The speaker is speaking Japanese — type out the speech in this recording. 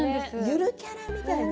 ゆるキャラみたい。